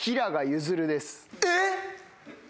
えっ！